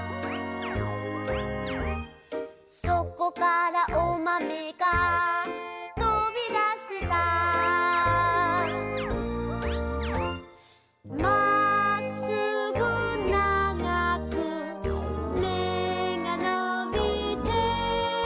「そこからおまめが飛びだした」「まっすぐ長く芽がのびて」